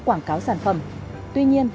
quảng cáo sản phẩm tuy nhiên